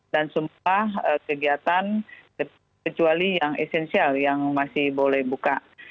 dan semua kegiatan kecuali yang esensial yang masih boleh buka